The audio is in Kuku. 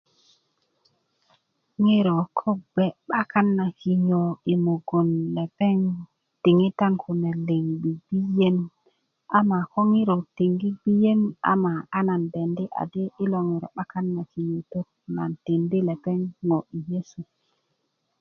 ŋiro ko bge 'bakan kinyo i mugun lepeŋ diŋitan kune liŋ bgibgiyen ama ko ŋiro tingi ama ŋiro tingi bgiyen ama a nan dendi adi ilo ŋiro 'bakan na kinyötöt a nan tikindi lepeŋ ŋo i yesu